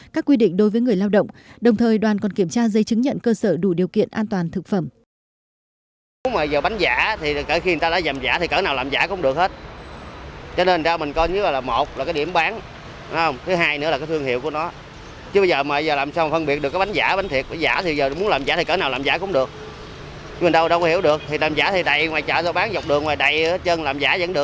các quy định đối với người lao động đồng thời đoàn còn kiểm tra dây chứng nhận cơ sở đủ điều kiện an toàn thực phẩm